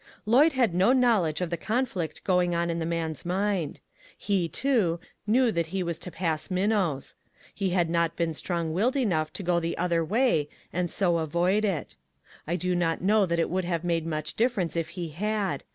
Lloyd had no knowledge of the conflict going on in the man's mind. He, too, knew that he was to pass Minnow's. He had not been strong willed enough to go the other way, and so avoid it. I do not know that it would have made much difference if he had.